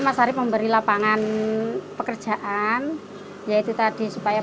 masih usia yang sangat muda ya